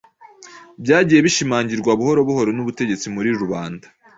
byagiye bishimangirwa buhoro buhoro n'ubutegetsi muri rubanda,